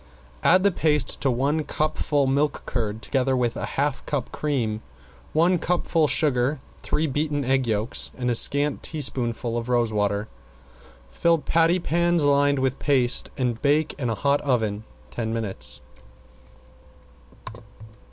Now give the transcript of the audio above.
Add the paste to one cupful milk curd, together with a half cup cream, one cupful sugar, three beaten egg yolks and a scant teaspoonful of rose water. Fill patty pans lined with paste and bake in hot oven ten minutes.